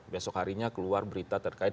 besok harinya keluar berita terkait